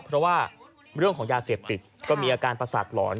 เพราะว่าเรื่องของยาเสพติดก็มีอาการประสาทหลอน